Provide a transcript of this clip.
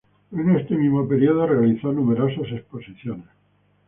En este mismo período realizó numerosas exposiciones.